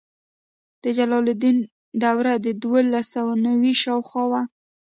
د جلال الدین دوره د دولس سوه نوي شاوخوا وه.